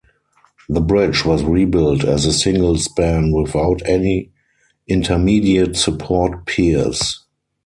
The bridge was rebuilt as a single span without any intermediate support piers.